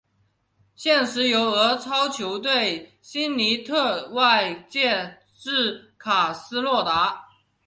现时由俄超球队辛尼特外借至卡斯洛达。